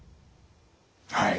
はい。